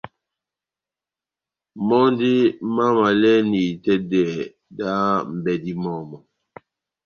Mɔ́ndí mámavalɛ́ni itɛ́dɛ dá m’bɛ́dí mɔmu.